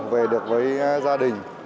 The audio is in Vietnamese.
về được với gia đình